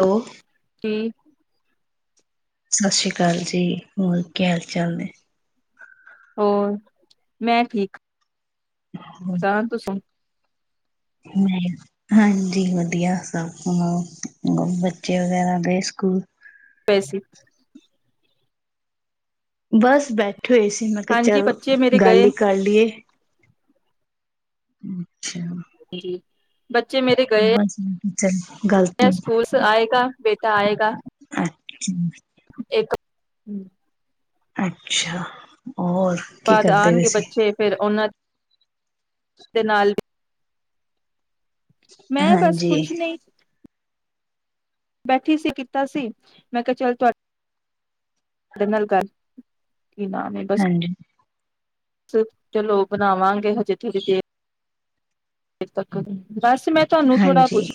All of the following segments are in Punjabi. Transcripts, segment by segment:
ਲੋ। [unintelligible] ਸਤਿ ਸ੍ਰੀ ਅਕਾਲ ਜੀ, ਹੋਰ ਕੀ ਹਾਲ ਚਾਲ ਨੇ। ਹੋਰ, ਮੈਂ ਠੀਕ। [unintelligible] ਹਾਂਜੀ। ਵਧੀਆ ਸਭ ਸੁਨਾਔ ਹੋਰ ਬੱਚੇ ਵਗੈਰਾ ਗਏ ਸਕੂਲ? [inaudible] ਬਸ ਬੈਠ ਠੇ ਹੋਏ ਸੀ ਮੈਂ ਕਿਆ ਹਾਂਜੀ ਚਾਲ ਬੱਚੇ ਮੇਰੇ ਗੱਲ ਗਏ ਈ ਕਰ ਲਈਏ। ਅੱਛਾ। ਜੀ। ਬੱਚੇ ਮੇਰੇ ਗਏ ਐ। [unintelligible] [unintelligible] ਬੇਟਾ ਆਏਗਾ। ਅੱਛਾ। ਇੱਕ ਹੰ ਅੱਛਾ ਹੋਰ ਕੀ ਬਾਦ ਕਰਦੇ ਪਏ ਆਨਗੇ ਸੀ ਬੱਚੇ ਫੇਰ ਔਨਾ ਦੇ ਨਾਲ ਮੈਂ ਬਸ ਹਾਂਜੀ ਕੁਛ ਨਈ। ਬੈਠੀ ਸੀ ਕੀਤਾ ਸੀ ਮੈਂ ਕਿਹਾ ਚੱਲ ਤੁਹਾ ਤੁਹਾਡੇ ਨਾਲ ਗੱਲ ਕੀ ਨਾਮ ਏ ਬਸ ਹਾਂਜੀ ਚਲੌ ਬਨਾਵਾਂਗੇ ਹਜੇੇ ਦੇਰ ਦੇਰ ਤੱਕ ਬਸ ਮੈਂ ਤੁਹਾਨੂੰ ਥੋੜ੍ਹਾ ਹਾਂਜੀ ਕੁੱਛ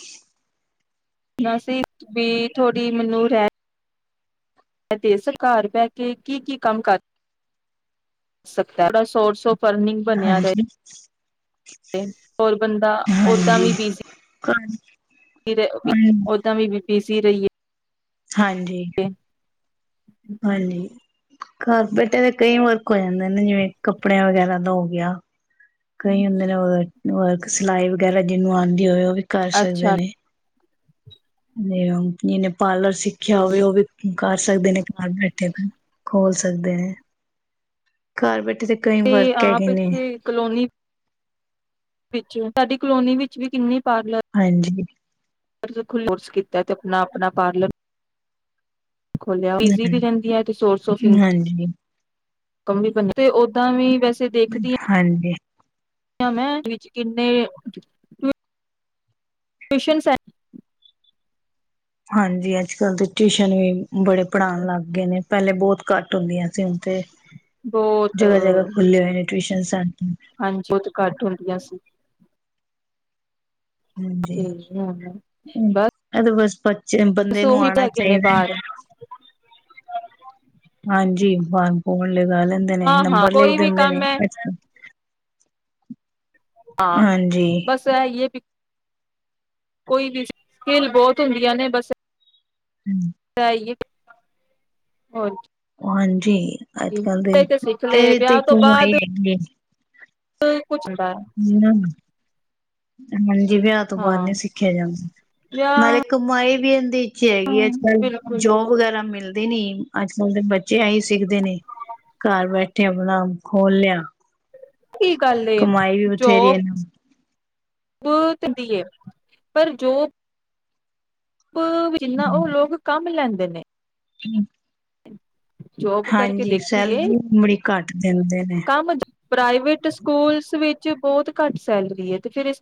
ਨਸੀ ਵੀ ਥੋੜੀ ਮੈਨੂੰ ਰਹਿ ਤੇ ਸਰ ਘਰ ਬਹਿ ਕੇ ਕੀ ਕੀ ਕੰਮ [unintelligible] ਕਰ ਸੋ ਸੌ ਫਰਨਿੰਗ ਬਣਿਆ ਹਾਂਜੀ ਰਹੇ ਹੋਰ ਬੰਦਾ ਓਦਾਂ ਹਾਂਜੀ ਵੀ ਬਿਜੀ ਓਦਾਂ ਬਿ ਬਿਜੀ ਰਹੀਏ। ਹਾਂਜੀ ਹਾਂਜੀ ਕਾਰਪੇਟਾਂ ਦੇ ਕਈ ਵਰਕ ਹੋ ਜਾਂਦੇ ਨੇ ਜਿਵੇਂ ਕੱਪੜਿਆਂ ਵਗੈਰਾ ਦਾ ਹੋ ਗਿਆ। ਕਈ ਹੁੰਦੇ ਨੇ ਵ ਸਿਲਾਈ ਵਗੈਰਾ ਜਿਹਨੂੰ ਆਉਂਦੀ ਹੋਏ ਵੀ ਕਰ ਸਕਦੇ ਅੱਛਾ ਨੇ। ਨਨ [unintelligible] ਨੇ ਪਾਰਲਰ ਸਿੱਖ ਰਖਿਆ ਹੋਵੇ ਉਹ ਵੀ ਕਰ ਸਕਦੇ ਨੇ ਘਰ ਬੈਠੇ ਫ ਖੋਲ ਸਕਦੇ ਨੇ ਘਰ ਬੈ ਤੇ ਕਈ ਵਰਕ ਆਪ ਹੈਗੇ ਨੇ। ਇੱਥੇ ਕਲੋਨੀ ਵਿੱਚ ਸਾਡੀ ਕਲੋਨੀ ਵਿੱਚ ਵੀ ਕਿੰਨੀ ਪਾਰਲਰ ਹਾਂਜੀ ਕੋਰਸ ਕੀਤਾ ਅਤੇ ਆਪਣਾ ਆਪਣਾ ਪਾਰਲਰ ਖੋਲ੍ਹਿਆ ਪੀਜ਼ੀ ਵੀ ਹਾਂਜੀ, ਰਹਿੰਦੀਆਂ ਅਤੇ ਸੋਰਸ ਆਫ ਇਨਕਮ ਹਾਂਜੀ। ਕਮੀ ਬ ਤੇ ਓਦਾਂ ਵੀ ਵੈਸੇ ਦੇਖਦੀ ਹਾਂਜੀ ਮੈਂ ਵਿੱਚ ਕਿੰਨੇ ਟਵੀਸ਼ਨ ਸੈਂਟਰ ਹਾਂਜੀ ਅੱਜ ਕੱਲ ਦੇ ਟਿਊਸ਼ਨ ਵੀ ਬੜੇ ਪੜ੍ਹਾਉਣ ਲੱਗ ਗਏ ਨੇ। ਪਹਿਲੇ ਬਹੁਤ ਘੱਟ ਹੁੰਦੀਆਂ ਸੀ ਹੁਣ ਤੇ ਬਹੁਤ ਜਗ੍ਹਾ ਜਗ੍ਹਾ ਖੁੱਲੇ ਹੋਏ ਨੇ। ਟਿਊਸ਼ਨ ਸਨ। ਹਾਂਜੀ ਉਹ ਤੇ ਘੱਟ ਹੁੰਦੀਆਂ ਸੀ। ਹਾਂਜੀ, ਤੇ ਹੁਣ ਬਸ ਐ ਤੇ ਬਸ [unintelligible] ਬੰਦੇ ਨੂੰ ਉਹੀ ਆਉਣਾ ਹੈਗੇ ਨੇ ਚਾਹੀਦਾ। ਬਾਹਰ ਹਾਂਜੀ [unintelligible] ਫੋਣ ਲੱਗਾ ਲੈਂਦੇ ਨੇ ਹਾਂ ਹਾਂ ਨੰਬਰ ਲਿਖ ਕੋਈ ਵੀ ਦਿੰਦੇ ਕੰਮ ਨੇ। ਹੈ ਹਾਂ ਹਾਂਜੀ ਬਸ ਹੈ ਯਹ ਵੀ ਕੋਈ ਵੀ ਖੇਲ ਬਹੁਤ ਹੁੰਦੀਆਂ ਨੇ ਬਸ ਹੂੰ, ਐ ਹੋਰ ਜੀ ਹਾਂਜੀ, ਅੱਜ- ਕੱਲ ਦੇ ਤੇ ਸਿੱਖ ਲਏ ਇਹਦੇ ਤੇ ਵਿਆਹ ਤੋਂ ਕਮਾਈ ਬਾਅਦ ਹੈਗੀ ਐ ਜੀ। ਕੁਛ ਦਾ ਐਮ ਆਏ ਵਿਆਹ ਤੋਂ ਬਾਅਦ ਨਈ ਸਿੱਖਿਆ ਜਾਂਦਾ ਵਿਆਹ ਨਾਲੇ ਕਮਾਈ ਵਿਹੰਦੀ ਇਹ ਤੇ ਹੈਗੀ ਅੱਜ- ਕੱਲ੍ਹ ਬਿਲਕੁਲ ਜੋਬ ਵਗੈਰਾ ਮਿਲਦੇ ਨੀ ਅੱਜ ਬਲਦੇ ਬੱਚੇ ਆ ਹੀ ਸਿੱਖਦੇ ਨੇ ਘਰ ਬੈਠੇ ਆਪਣਾ ਖੋਲ ਲਿਆ। ਕੀ ਗੱਲ ਏ ਕਮਾਈ ਵੀ ਜੋ ਬਥੇਰੀ ਇਹਨਾਂ ਪੁਤਰ [inaudible] ਦੀ ਐ ਪਰ ਜੋ ਜਿੰਨਾ ਉਹ ਲੋਕ ਕੰਮ ਲੈਂਦੇ ਦਿਨੇ ਹੂੰ, ਜੋਬ ਕਰਕੇ ਹਾਂਜੀ ਸੈਲ ਦੇਖੀਏ ਦੀ ਉਮੜੀ ਘੱਟ ਦਿੰਦੇ ਨੇ ਕੰਮ ਪ੍ਰਾਈਵੇਟ ਸਕੂਲਸ ਵਿੱਚ ਬਹੁਤ ਘੱਟ ਸੈਲਰੀ ਹੈ ਤੇ ਫਿਰ ਇਸ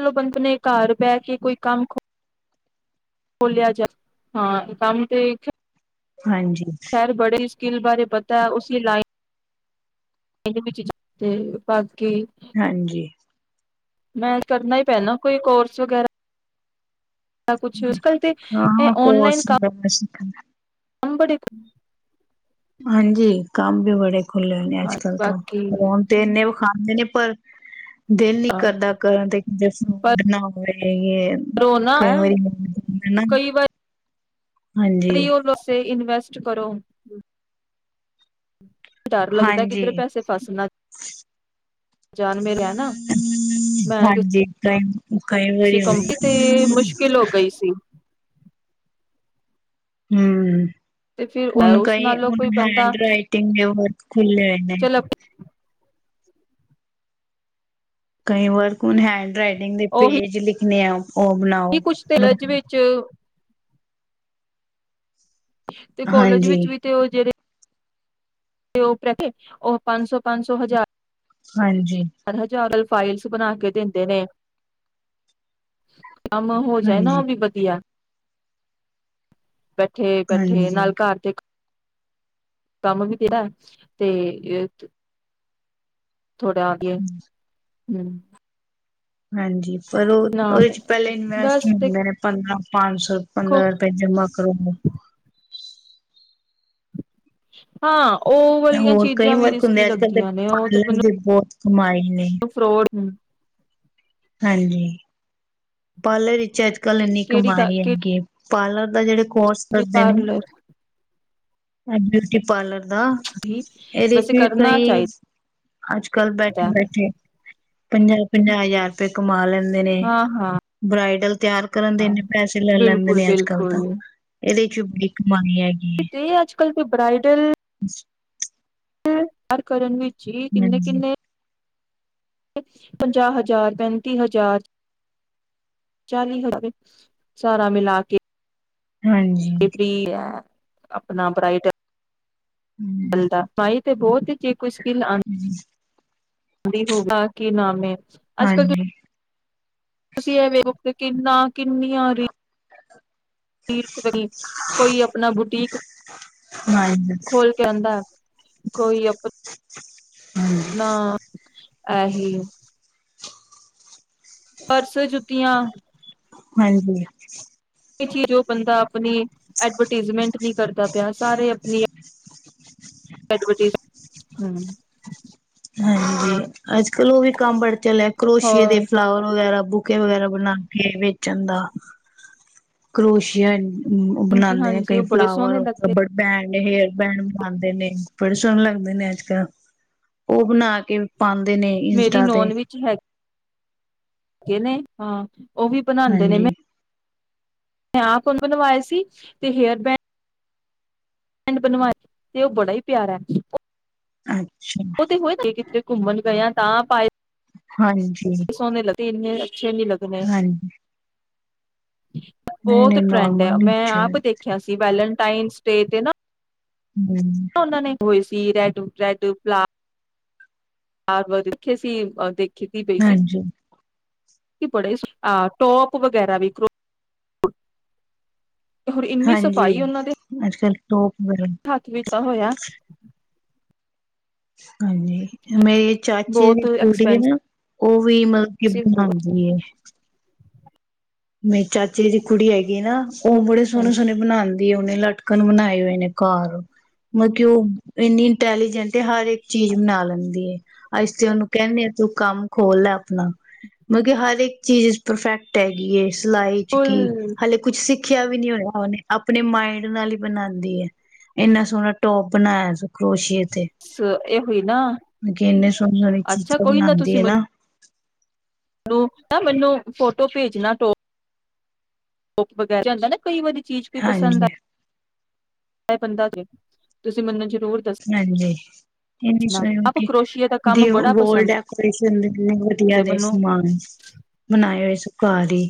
ਚਲੋ ਬੰਦੇ ਨੇ ਘਰ ਬਹਿ ਕੇ ਕੋਈ ਕੰਮ ਖੋਲਿਆ ਜਾ ਹਾਂ ਕੰਮ ਤੇ ਹਾਂਜੀ, ਸਕਿਲ ਬਾਰੇ ਪਤਾ ਉਸ ਲਾਈਨ ਵਿੱਚ ਭਗ ਕੇ ਹਾਂਜੀ, ਮੈਂ ਕਰਨਾ ਹੀ ਪੈਣਾ ਕੋਈ ਕੋਰਸ ਵਗੈਰਾ ਕੁਛ ਅੱਜ ਕੱਲ ਤੇ ਹਾਂ, ਕੋਰਸ ਕਰਨਾ ਸਿੱਖਣਾ ਅੰਬਰਿਤ ਹਾਂਜੀ, ਕੰਮ ਵੀ ਬੜੇ ਖੁੱਲੇ ਨੇ ਹਾਂ ਅੱਜ ਕੱਲ ਤਾਂ ਬਾਕੀ ਫੋਨ ਤੇ ਇੰਨੇ ਵਖਾਂਦੇ ਨੇ ਪਰ ਦਿਲ ਨੀ ਹਾਂ ਕਰਦਾ ਕਰਨ ਦੇ ਜੇ ਫੂਡ ਪਰ ਨ ਹੋਵੇ ਉਹ ਨਾ ਕਈ ਵਾਰੀ ਮੈਂ ਦਾ ਨਾ ਕਈ ਉਹ ਲੋਸੇ ਇਨਵੈਸਟ ਟੈਸਟ ਕਰੋ। ਡਰ ਲੱਗਦਾ ਹਾਂਜੀ। ਕਿੱਧਰੇ ਪੈਸੇ ਫਸ ਨਾ ਜਾਣ ਮੇਰੇ ਹੈ ਨਾ ਮੈਂ ਹਾਂਜੀ ਕਈ ਵਾਰੀ ਹੂੰ [unintelligible] ਤੇ ਮੁਸ਼ਕਿਲ ਹੋ ਗਈ ਸੀ। ਹੂੰ। ਤੇ ਫਿਰ ਹੁਨ ਉਸ ਕਈ, ਨਾਲੋਂ ਹੁਨ ਕੋਈ ਬੰਦਾ ਹੈਂਡਰਾਈਟਿੰਗ ਏ ਓਹੋ ਖੁੱਲੇ ਹੋਏ ਨੇ। ਚਲੋ ਕਈ ਵਰਕ ਹੁਨ ਹੈਂਡਰਾਈਟ ਟਿੰਗ ਦੇ ਪੇਜ ਲਿਖ ਨੇ ਆ ਉਹ ਕੀ ਕੁਛ ਬਣਾਓ ਤਿਲਜ ਵਿੱਚ ਤੇ ਕੋਲਜ ਹਾਂਜੀ, ਵਿੱਚ ਵੀ ਤੇ ਓ ਜੇੜੇ ਤੇ ਓਪ ਰੈ ਕੇ, ਓਹ ਪੰਸ ਸੌ, ਪੰਸ ਸੌ, ਹਜਾਰ ਹਾਂਜੀ। ਫਾਈਲਸ ਬਨਾ ਕੇ ਦਿੰਦੇ ਨੇ। ਕੰਮ ਹੋ ਜਾਏ ਨਾ ਹਾਂਜੀ, ਓ ਵੀ ਵਦੀਆ ਤਾ ਬੈਠੇ, ਬੈਠੇ ਹਾਂਜੀ। ਨਾਲ ਘਰ ਦੇ ਕੰਮ ਵੀ ਤੇਰਾ ਤੇ ਥੋੜਾ ਆਗੇ ਹੁਂ ਹਾਂਜੀ ਪਰ ਉਹ ਉਹਦੇ ਚ ਪਹਿਲੇ ਹੀ ਇਨਵੈਸਟ ਬਸ ਹੁਂਦੇ ਨੇ ਪੰਦਰਾਂ ਪੰਜ ਸੌ ਦੇਖੋ ਪੰਦਰਾਂ ਰੁਪਏ ਜਮਾ ਕਰੋ ਅਪਨਾ ਹਾਂ ਉਹ ਵਾਲੀਆਂ ਹੋਰ ਕਈ ਚੀਜ਼ਾਂ ਵੀ ਵਰਕ ਹੁੰਦੇ ਰਿਸਕੀ ਅੱਜ ਕੱਲ ਦੇ ਲੱਗਦੀਆਂ ਨੇ ਉਹ ਤੇ ਪਾਰਲਰ ਦੇ ਮੈਨੂੰ ਬਹੁਤ ਤੁਮਾਰੀ ਫਰੋਡ ਹ ਹਾਂਜੀ ਪਾਲੇ ਰੀ ਚਜ ਕੱਲ ਇਨੀ ਕਿਹੜੀ ਕਮਾਏ ਕਿਹੜੀ ਹੈਗੀ ਪਾਰਲਰ ਦਾ ਜਿਹੜੇ ਕੋਰਸ ਵੀ ਕਰਦੇ ਨੇ ਪਾਰਲਰ ਐਂਡ ਬਿਊਟੀ ਪਾਰਲਰ ਦਾ ਹੀ ਇਹਦੇ ਚ ਵੈਸੇ ਵੀ ਕਰਨਾ ਕਈ ਚਾਹੀਦਾ ਅੱਜ ਕੱਲ੍ਹ ਬੈਠੇ-ਬੈਠੇ ਪੰਜਾਹ-ਪੰਜਾਹ ਹਜ਼ਾਰ ਰੁਪਏ ਕਮਾ ਲੈਂਦੇ ਨੇ ਹਾਂ ਹਾਂ ਬਰਾਈਡ ਤਿਆਰ ਕਰਨ ਦੇ ਇੰਨੇ ਪੈਸੇ ਲੈ ਲੈਂਦੇ ਬਿਲਕੁਲ ਨੇ ਅੱਜ ਕੱਲ ਬਿਲਕੁਲ ਤਾਂ, ਇਹਦੇ ਚੁ ਬੀਕ ਤੇ ਅੱਜ ਕੱਲ੍ਹ ਕੋਈ ਬ੍ਰਾਇਡਲ ਤਿਆਰ ਕਰਨ ਵਿੱਚ ਜੀ, ਹਾਂਜੀ ਕਿੰਨੇ-ਕਿੰਨੇ ਪੰਜਾਹ ਹਜ਼ਾਰ, ਪੈਂਤੀ ਹਜ਼ਾਰ, ਚਾਲੀ ਹਜ਼ਾਰ, ਸਾਰਾ ਮਿਲਾ ਕੇ ਹਾਂਜੀ। ਕੇ ਫ੍ਰੀ ਆ ਆਪਣਾ ਬਰਾਇਟ ਹੂੰ ਚਲਦਾ ਪਾਈ ਤੇ ਬਹੁਤ ਹੀ ਚੀ ਕੋਈ ਸਕਿਨ ਆਨ ਹਾਂਜੀ [unintelligible] ਹੋਗਾ ਕੀ ਨਾਮ ਏ? ਅੱਜ ਕੱਲ ਹਾਂਜੀ। ਤੁਸੀਂ ਏਹ ਵੇਖੋ ਤੇ ਕਿੰਨਾ ਕਿੰਨੀਆਂ ਰੀਲ਼ਸ, ਕੋਈ ਆਪਣਾ ਬੁਟੀਕ ਖੋਲ ਕੇ ਆਂਦਾ, ਕੋਈ ਹਾਂਜੀ। ਆਪਣਾ ਐਹੀ ਪਰਸ, ਜੁੱਤੀਆਂ। ਹਾਂਜੀ। ਚੀਜ ਉਹ ਬੰਦਾ ਆਪਣੀ ਐਡਵਰਟੀਜ਼ਮੈਂਟ ਨੀ ਕਰਦਾ ਪਿਆ, ਸਾਰੇ ਆਪਣੀ ਐਡਵਰਟੀਜ਼, ਹਮ। ਹਾਂਜੀ, ਅੱਜ ਕਲ ਉਹ ਵੀ ਕੰਮ ਬੜੇ ਚਲ ਏ ਕਰੋਸ਼ੀਏ ਦੇ ਹੋਰ ਫਲਾਵਰ ਵਗੈਰਾ ਬੁਕੇ ਵਗੈਰਾ ਬਣਾ ਕੇ ਵੇਚਣ ਦਾ। ਕਰੋਸ਼ੀਆ ਹਾਂਜੀ ਬਣਾਉਂਦੇ ਨੇ, ਹਾਂਜੀ ਕਈ ਉਹ ਬੜੇ ਫਲਾਵਰ, ਸੋਹਣੇ ਲੱਗਦੇ ਰੱਬੜ ਬੈਂਡ। ਨੇਹੇਅਲ ਬੈੰਡ ਬਣਾਉਂਦੇ ਨੇ, ਬੜੇ ਸੋਹਣੇ ਲੱਗਦੇ ਨੇ ਅੱਜ ਕੱਲ। ਉਹ ਬਣਾ ਕੇ ਪਾਉਂਦੇ ਨੇ ਮੇਰੀ ਇੰਸਟਾ ਤੇ। ਨੋਨ ਵਿੱਚ ਹੈ ਹੈਗੇ ਨੇ, ਹਾਂ। ਉਹ ਵੀ ਬਣਾਉਂਦੇ ਨੇ ਮੈਂ ਹਾਂਜੀ। [unintelligible] ਬਣਵਾਏ ਸੀ ਤੇ ਹੇਅਰ ਬੈਂਡ ਪਿੰਡ ਬਣਵਾਏ ਤੇ ਉਹ ਬੜਾ ਹੀ ਪਿਆਰਾ ਉਹ ਅੱ ਉਹ ਤੇ ਹੋਏ ਕਿਥੇ ਘੁੰਮਣ ਗਏ ਆ। ਤਾਂ ਪਾਏ ਹਾਂਜੀ ਤਿੰਨ ਅੱਛੇ ਨੀ ਲੱਗਨੇ। ਹਾਂਜੀ ਬਹੁਤ ਨਹੀਂ-ਨਹੀਂ ਟਰੈਂਡ ਨੋਰਮਲ ਹੈ ਨਹੀਂ ਮੈਂ ਅੱਛਾ ਆਪ ਦੇਖਿਆ ਸੀ ਵੈਲਨ ਟਾਈਮ ਸਟੇ ਤੇ ਨਾ ਲੱਗਦਾ ਹੂੰ ਉਹਨਾਂ ਨੇ ਹੋਏ ਸੀ। [unintelligible] ਟੂ ਪਲਾ [unintelligible] ਦੇਖੇ ਸੀ [unintelligible] ਖੇਤੀ ਪਈ ਸੀ। ਹਾਂਜੀ। ਕੀ ਬੜੇ ਈ ਸੋ ਆ ਟੋਪ ਵਗੈਰਾ ਵੀ ਹੋਰ ਇੰਨੀ ਹਾਂਜੀ ਸਫ਼ਾਈ ਉਹਨਾਂ ਦੇ ਅੱਜਕੱਲ ਟੋਪ ਵਗੈਰਾ ਹੱਥ ਵਿਚ ਹੋਇਆ। ਹਾਂਜੀ ਮੇਰੇ ਚਾਚੀ ਦੀ ਬਹੁਤ ਕੁੜੀ ਹੈ, ਐਕਸਪੈਂਸਿਵ ਉਹ ਵੀ ਮਤਲਬ ਕਿ ਬਹੁਤ ਬਣਾਦੀ ਹੈ। ਮੇਰੇ ਚਾਚੇ ਦੀ ਕੁੜੀ ਹੈਗੀ ਨਾ ਉਹ ਬੜੇ ਸੋਹਣੇ-ਸੋਹਣੇ ਬਣਾ ਦੀ ਉਹਨੇ ਲਟਕਣ ਬਣਾਏ ਹੋਏ ਨੇ ਘਰ। ਮਤਲਬ ਕਿ ਉਹ ਇੰਨੀ ਇੰਟੈਲੀਜੈਂਟ ਹਰ ਇੱਕ ਚੀਜ਼ ਬਣਾ ਲੈਂਦੀ ਏ। ਅਸੀਂ ਤੇ ਉਹਨੂੰ ਕਹਿੰਨੇ ਆ ਤੂੰ ਕੰਮ ਖੋਲ ਲੈ ਆਪਣਾ ਮਤਲਬ ਕਿ ਹਰ ਇੱਕ ਚੀਜ਼ 'ਚ ਪਰਫੈਕਟ ਐ। [unintelligible] ਜੁਲਈ ਚ ਕੀ ਫੁੱਲ ਹਾਲੇ ਕੁੱਛ ਸਿੱਖ ਸਿੱਖਿਆ ਵੀ ਨੀ ਹੋਇਆ ਉਹਨੇ ਆਪਣੇ ਮਾਇੰਡ ਨਾਲ ਹੀ ਬਣਾਦੀ ਏ, ਇੰਨਾ ਸੋਹਣਾ ਟੋਪ ਬਣਾਇਆ ਸੀ ਕਰੋਸ਼ੀਏ ਸੋ ਇਹ ਹੋਈ ਨਾ ਮਤਲਬ ਕਿ ਇੰਨੇ ਸੋਹਣੇ ਹਰ ਇੱਕ ਅੱਛਾ ਚੀਜ਼ਾਂ ਕੋਈ ਬਣਾਦੀ ਏ ਨਾ। [unintelligible] ਉਹ ਨਾ ਮੈਨੂੰ ਫੋਟੋ ਭੇਜਣਾ ਟੋ ਟੋਪ ਵਗੈਰਾ ਜਾਂਦਾ ਨਾ ਕਈ ਵਾਰੀ ਚੀਜ਼ ਕੋਈ ਪਸੰਦ ਆਈ ਹਾਂਜੀ ਆਏ ਬੰਦਾ ਤੁਸੀਂ ਮੈਨੂੰ ਜ਼ਰੂਰ ਹਾਂਜੀ ਇਹ ਨਹੀਂ ਦੱਸਣਾ ਸੁਣਓ ਆਪ ਕਿ ਕਰੋਸ਼ੀਏ ਦਾ ਕੰਮ ਬੜਾ ਗੋਲਡ ਪਸੰਦ ਐ, ਵਧੀਆ ਤੇ ਮੈਨੂੰ ਸਮਾਨ ਬਨਾਆ ਸੂ ਖਾਲੀ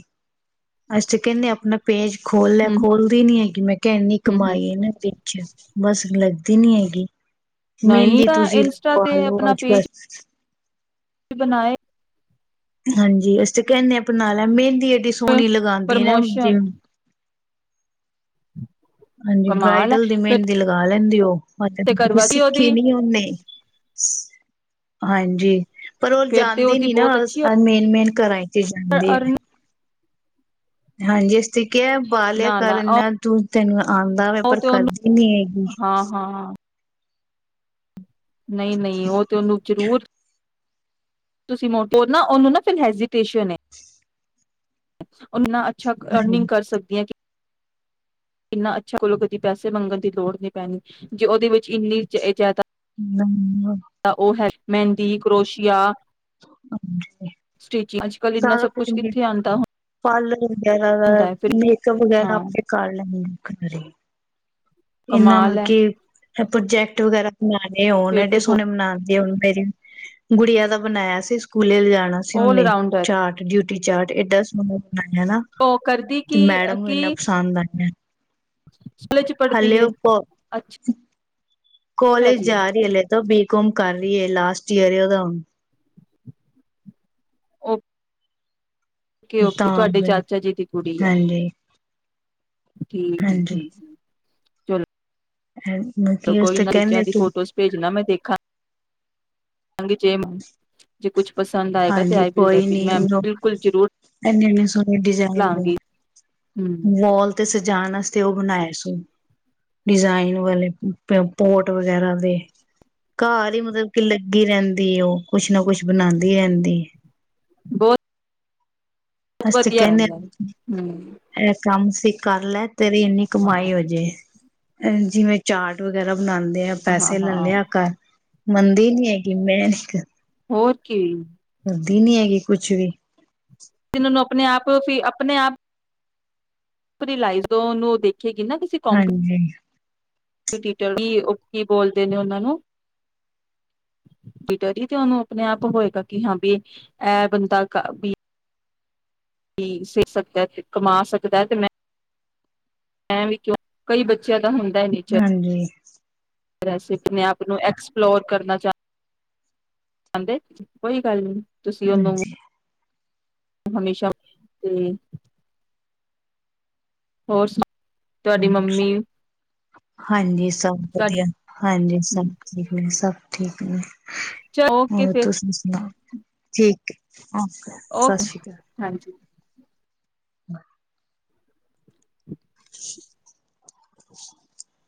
ਅਸੀਂ ਤੇ ਕਹਿੰਦੇ ਆਪਣਾ ਪੇਜ ਖੋਲ ਲੈ ਹੂੰ ਖੋਲਦੀ ਨੀ ਕਿਵੇੈਂ ਕਿ ਐਨੀ ਹੂੰ ਹੂੰ ਕਮਾਈ ਇਨਾ ਦੀ ਵੈਸੇ ਲੱਗਦੀ ਨੀ ਹੈ [unintelligible] ਨਹੀਂ ਮਹਿੰਦੀ ਤਾਂ ਤੁਸੀਂ ਇੰਸਟਾ ਲਗਵਾ ਤੇ ਲਓ ਆਪਣਾ ਅੱਜ ਕੱਲ ਪੇਜ ਬਣਾਏ ਹਾਂਜੀ ਅਸੀ ਤੇ ਕਹਿੰਦੇ ਹਾਂ ਬਣਾ ਲੈ ਮੇਂਦ ਦੀ ਐਡੀ ਸੋਹਣੀ ਲਗਾਉਂਦੀ ਹੈ ਨਾ ਜਿਵੇਂ ਪ੍ਰਮੋਸ਼ਨ ਹਾਂਜੀ ਕਮਾਲ ਹੈ ਬਰਾਈਡਲ ਦੀ ਫਿਰ ਮਹਿੰਦੀ ਦੀ ਲਗਾ ਦਿੰ ਦਿਓ ਮ ਤੇ ਕਰਵਾ ਦੀ ਸਿੱਖੀ ਉਹਦੀ ਨੀ ਆ ੳਨੇ ਹਾਂਜੀ ਪਰ ਉਹ ਫਿਰ ਤੇ ਜਾਂਣਦੀ ਉਹਦੀ ਨੀ ਨਾ ਬਹੁਤ ਸ ਅੱਛੀ ਮੇਨ ਮੇਨ ਕਰਏ ਤੇ ਜਾਂਦੀ ਹੈ ਅਰਨ ਹਾਂਜੀ ਠੀਕ ਹੈ ਬਾਲਿਆ ਨਾ ਨਾ ਕਰਨਾ ਤੂਂ ਤੈਨੂ ਆ ਆਉਂਦਾ ਵੈ ਉਹ ਪਰ ਤੇ ਉਹਨੂੰ ਕਰਦੀ ਨੀ ਹੈਗੀ ਹਾਂ ਹਾਂ ਨਹੀਂ ਨਹੀਂ ਉਹ ਤੇ ਉਹਨੂੰ ਜ਼ਰੂਰ ਤੁਸੀਂ ਮੋਟੋ ਨਾ ਉਹਨੂੰ ਨਾ ਫਿਰ ਹੈਜ਼ਟੇਸ਼ਨ ਹੈ। ਉਹਨਾ ਅੱਛਾ ਹਾਂਜੀ ਅਰਨਿੰਗ ਕਰ ਸਕਦੀ ਹੈ ਕਿ ਕਿੰਨਾ ਅੱਛਾ ਕੋਲੋਂ ਕਦੀ ਪੈਸੇ ਮੰਗਣ ਦੀ ਲੋੜ ਨਹੀਂ ਪੈਣੀ ਜੇ ਉਹਦੇ ਵਿੱਚ ਇੰਨੀ ਜ਼ਿਆਦਾ ਨਮ ਤਾਂ ਉਹ ਹੈ ਮਹਿੰਦੀ ਕਰੋਸ਼ੀਆ [unintelligible] ਸਟਿਚਿੰਗ ਅੱਜ ਕੱਲ ਇੰਨਾ ਸਾਰਾ ਸਭ ਕੁਛ ਮ ਕਿੱਥੇ ਆਉਂਦਾ ਪਾਰਲਰ ਵਗੈਰਾ ਦਾ ਹੁੰਦਾ ਹੈ ਫਿਰ ਮੇਕਅਪ ਵਗੈਰਾ ਹਾਂ ਆਪੇ ਕਰ ਲੈਂਦੀ ਹਾਂ ਘਰੇ ਇਹਨਾ ਕਮਾਲ ਮਤ ਹੈ ਕੀ ਐ ਪ੍ਰੋਜੈਕਟ ਵਗੈਰਾ ਨਾਲੇ ਉਹਣ ਫਿਰ ਐਡੇ ਤੇ ਸੋਹਣੇ ਬਨਾਤੇ ਉਹਨੂੰ ਮੇਰੀ ਗੁੜੀਆਂ ਦਾ ਬਣਾਇਆ ਸੀ ਸਕੂਲੇ ਲੇ ਜਾਣ ਜਾਣਾ ਸੀ ਆਲ ਉਹਨੇ ਰਾਊਂਡਰ ਚਾਰਟ ਡਿਊ ਵੀ ਚਾਰਟ ਏਡਾ ਸੋਣਾਂ ਪਰ ਹੈਨਾ ਉਹ ਕਰਦੀ ਕਿ ਤੇ ਮੈਡਮ ਨੂੰ ਇੰਨਾ ਕੀ ਪਸੰਦ ਆਇਐ। ਸਕੂਲ ਚ ਪੜ੍ਹਦੀ ਹਲੇ ਏ ਓ ਪ ਅੱਛਾ ਕੋਲੇਜ ਜੀ ਜਾ ਰਹੀ ਹੈ, ਹਲੇ ਤਾਂ ਬੀਕੌਮ ਕਰ ਰਹੀ ਹੈ ਲਾਸਟ ਚਿਹਰਿਆਂ ਦਾ ਓ ਓਕੇ, ਓਕੇ ਤਾਂ ਤੁਹਾਡੇ ਫਿਰ ਚਾਚਾ ਜੀ ਦੀ ਕੁੜੀ ਆ। ਹਾਂਜੀ ਠੀਕ ਹੂੰ, ਹਾਂਜੀ ਹੂੰ, ਹੂੰ ਚਲੋ, ਹੈ ਮ ਕੀ ਅਸੀਂ ਤੇ ਕਹਿਨਿਆਂ ਤੂੰ ਖਾਂ ਖਾਂਗੀ ਜੇ ਜੇ ਕੁਛ ਪਸੰਦ ਆਏਗਾ ਤੇ ਹਾਂਜੀ ਆਈ ਵਿਲ ਕੋਈ ਨੀ ਮੈਂ ਉਹ ਬਿਲਕੁਲ ਜ਼ਰੂਰ ਇੰਨੇ- ਇੰਨੇ ਸੋਹਣੇ ਡਿਜਾਇਨ ਦੇ ਲਾਂਗੀ ਹਮ ਵਾਲ ਤੇ ਸਜ ਜਾਣ ਵਾਸਤੇ ਉਹ ਬਣਾਏ ਸੋ ਡਿਜ਼ਾਇਨ ਵਾਲੇ ਪੋਟ ਵਗੈਰਾ ਦੇ ਘਰ ਹੀ ਮਤਲਬ ਕਿ ਲੱਗੀ ਰਹਿੰਦੀ, ਉਹ ਕੁਛ ਨਾ ਕੁਛ ਬਣਾਂਦੀ। ਦੀ ਰਹਿੰਦੀ ਐ। ਬਹੁਤ, ਬਹੁਤ ਅਸੀਂ ਤੇ ਵਧੀਆ ਗੱਲ ਕਹਿਨੇ ਹੈ ਆਂ ਹਮ ਐ ਕੰਮ ਤੇ ਕਰਲੈ ਤੇਰੀ ਇੰਨੀ ਹਾਂ ਕਮਾਈ ਹੋਜੇ ਐ ਜਿਵੇਂ ਚਾਟ ਵਗੈਰਾ ਬ ਬਣਾਂਦੇ ਆ ਹਾਂ ਹਾਂ ਪੈਸੇ ਲੈ ਹਾਂ ਲਿਆ ਕਰ। ਮੰਨਦੀ ਨੀ ਹੈਗੀ ਮੈਂ ਕੀ ਕਰਾਂ। ਹੋਰ ਕੀ ਮੰਨਦੀ ਨੀ ਹੈਗੀ ਕੁਛ ਵੀ ਤਿਨ ਨੌ ਆਪਣੇ ਆਪ ਫੀ ਆਪਣੇ ਆਪ ਪੁਤਰੀ ਲਾਈ ਜ਼ੋ ਨੂੰ ਦੇਖ ਕੇ ਕਿ ਨਾ ਤੁਸੀਂ [inaudible] ਹਾਂਜੀ, ਟੀਟਰੀ ਉਹ ਕੀ ਬੋਲਦੇ ਨੇ ਉਹਨਾਂ ਨੂੰ ਟੀਟਰੀ ਜ ਤੇ ਉਹਨੂੰ ਆਪਣੇ ਆਪ ਹੋਏਗਾ ਕਿ ਹਾਂ ਬ ਇਹ ਬੰਦਾ ਕਰ ਵੀ ਸਿੱਖ ਸਕਦਾ ਤੇ ਕਮਾ ਸਕਦਾ ਤੇ ਮੈਂ ਮੈਂ ਵੀ ਕਿਉਂ ਕਈ ਬੱਚਿਆਂ ਹਾਂਜੀ, ਫੇਰ ਅਸੀਂ ਆਪਣੇ ਆਪ ਨੂੰ ਐਕਸਪਲੋਰ ਕਰਨਾ ਚਾਂਦੇ ਚਾਂਦੇ ਕੋਈ ਗੱਲ ਨਹੀਂ ਤੁਸੀਂ ਉਹਨੂੰ ਹਾਂਜੀ। ਹਮੇਸ਼ਾ ਤੇ ਹੋਰ ਸੁ ਤੁਹਾਡੀ ਮੰਮੀ ਹਾਂਜੀ ਸਭ ਵਧੀਆ ਹਾਂਜੀ ਸਭ ਤੁਹਾਡੀ ਠੀਕ ਨੇ ਸਭ ਠੀਕ ਨੇ ਓਕੇ ਹੋਰ ਫਿਰ ਤੁਸੀ ਵੀ ਸੁਣਾ ਠੀਕ ਅਓ ਓਕੇ ਸਤਿ ਸ਼੍ਰੀ ਅਕਾਲ ਹਾਂਜੀ [unintelligible] [inaudible]